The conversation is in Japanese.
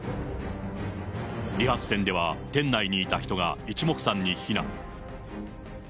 理髪店では店内にいた人が一目散に避難。